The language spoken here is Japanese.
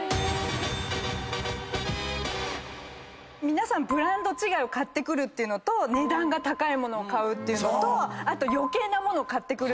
皆さんブランド違いを買ってくるっていうのと値段が高い物を買うっていうのとあと余計な物買ってくる。